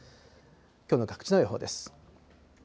きょうの各地の予報です。